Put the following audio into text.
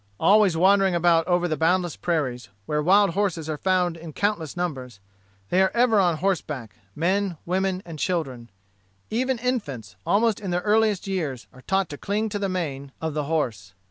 Always wandering about over the boundless prairies, where wild horses are found in countless numbers, they are ever on horseback, men, women, and children. Even infants, almost in their earliest years, are taught to cling to the mane of the horse.